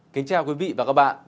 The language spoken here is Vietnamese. kính chào quý vị và các bạn